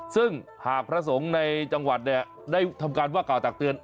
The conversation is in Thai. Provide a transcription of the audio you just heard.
ซึ่งหากพระสงฆ์ในจังหวัดเนี่ยได้ทำการว่ากล่าวตักเตือน